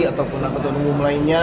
atau penangkatan umum lainnya